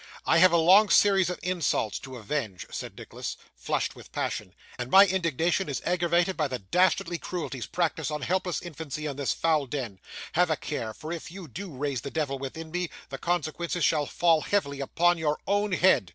'I have a long series of insults to avenge,' said Nicholas, flushed with passion; 'and my indignation is aggravated by the dastardly cruelties practised on helpless infancy in this foul den. Have a care; for if you do raise the devil within me, the consequences shall fall heavily upon your own head!